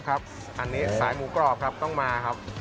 อันนี้สายหมูกรอบครับต้องมาครับ